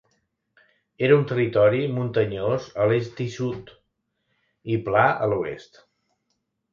Era un territori muntanyós a l'est i sud i pla a l'oest.